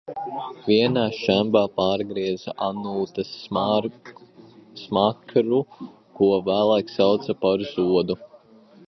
Viena šķemba pārgrieza Anūta smakru, ko vēlāk sauca par zodu.